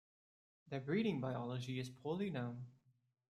Their breeding biology is poorly known.